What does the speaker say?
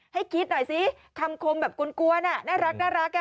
ให้คิดหน่อยสิคำคมแบบกลวนน่ารัก